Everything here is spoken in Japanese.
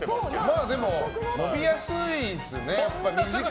まあでも、伸びやすいですよね。